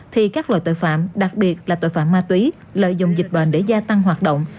thì các loại tội phạm đặc biệt là tội phạm ma túy lợi dụng dịch bệnh để gia tăng hoạt động